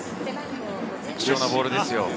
貴重なボールですよ。